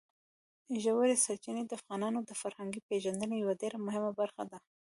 ژورې سرچینې د افغانانو د فرهنګي پیژندنې یوه ډېره مهمه برخه ده.